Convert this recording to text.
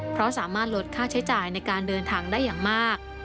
เพราะสามารถลดค่าใช้จ่ายในการเดินทางได้อย่างมาก